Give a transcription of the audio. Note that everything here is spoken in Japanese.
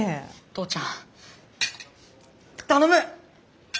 父ちゃん頼む！